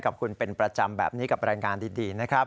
กับคุณเป็นประจำแบบนี้กับรายงานดีนะครับ